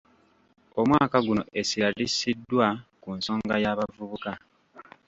Omwaka guno essira lissiddwa ku nsonga y’abavubuka.